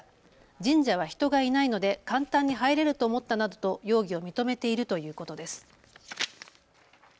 神社は人がいないので簡単に入れると思ったなどと容疑を認めているということです。